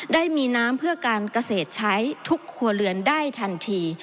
ได้มีน้ำเพื่อการเกษตรใช้ทุกครัวเรือนได้ทันที